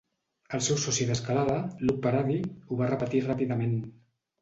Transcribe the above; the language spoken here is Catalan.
El seu soci d"escalada, Luke Parady, ho va repetir ràpidament.